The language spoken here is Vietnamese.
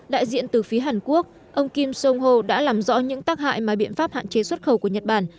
đại diện từ phía hàn quốc ông kim jong ho đã làm rõ những tác hại mà biện pháp hạn chế xuất khẩu của nhật bản